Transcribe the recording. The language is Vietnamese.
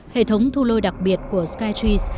hệ thống thu lôi đặc biệt của skytree